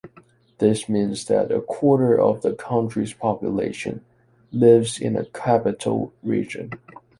This means that a quarter of the country’s population lives in the capital region.